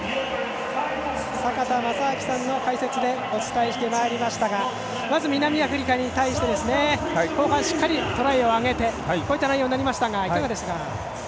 坂田正彰さんの解説でお伝えしてまいりましたがまず、南アフリカに対して後半、しっかりトライを挙げてこういった内容になりましたがいかがでしたか？